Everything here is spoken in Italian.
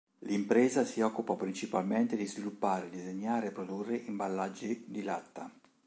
L'impresa di occupa principalmente di sviluppare, disegnare e produrre imballaggi di latta.